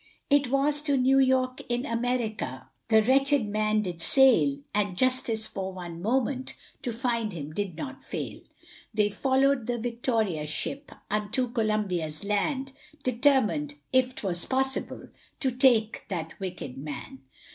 It was to New York, in America, That wretched man did sail; And justice for one moment, To find him did not fail. They followed the Victoria ship, Unto Columbia's land, Determined, if 'twas possible, To take that wicked man.